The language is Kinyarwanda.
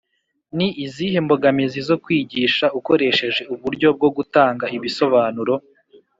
Ni izihe mbogamizi zo kwigisha ukoresheje uburyo bwo gutanga ibisobanuro?